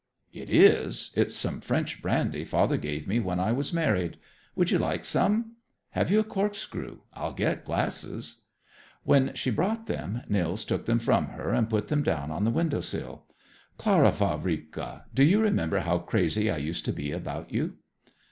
"It is. It's some French brandy father gave me when I was married. Would you like some? Have you a corkscrew? I'll get glasses." When she brought them, Nils took them from her and put them down on the window sill. "Clara Vavrika, do you remember how crazy I used to be about you?"